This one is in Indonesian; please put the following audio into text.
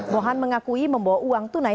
mohan mengakui membawa uang tunai